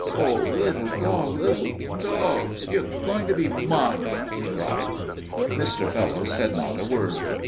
"Oh, little dog, little dog, you're going to be mine!" he cried. Mr. Fellowes said not a word.